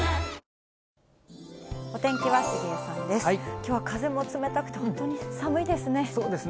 きょうは風も冷たくて、本当に寒いですね。